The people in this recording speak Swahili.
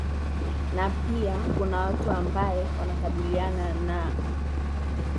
na pia kuna watu ambae wanakabiliana na